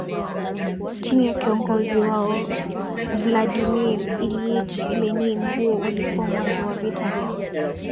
chini ya kiongozi wao Vladimir Ilyich Lenin Huo ulikuwa mwanzo wa vita ya